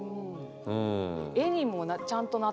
絵にもちゃんとなってる。